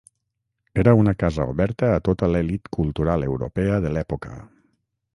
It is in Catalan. Era una casa oberta a tota l'elit cultural europea de l'època.